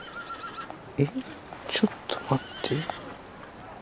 えっちょっと待って。